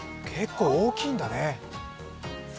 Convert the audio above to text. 結構大きいんだね！